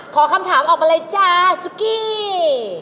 ขอคำถามออกมาเลยจ้าซุกี้